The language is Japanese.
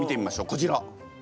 こちら。